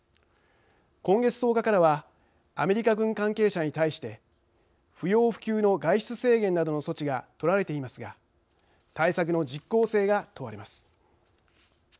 今月１０日からはアメリカ軍関係者に対して不要不急の外出制限などの措置が取られていますが対策の実効性が問われます。